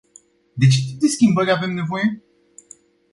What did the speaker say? De ce tip de schimbări avem nevoie?